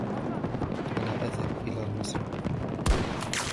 أنا أذهب إلى المسرح.